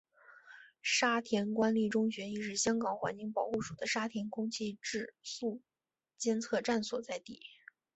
沙田官立中学亦是香港环境保护署的沙田空气质素监测站所在地。